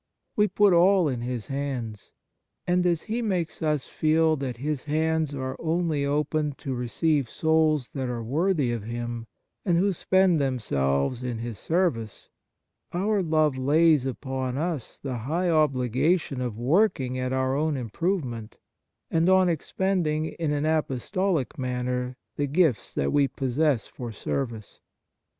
We put all in His hands. And, as He makes us feel that His arms are only open to 23 On Piety receive souls that are worthy of Him, and who spend themselves in His service, our love lays upon us the high obligation of working at our own improvement, and on expending in an apostolic manner the gifts that we possess for service.